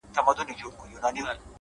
• خو په بل جهان کی ستر قوي پوځونه,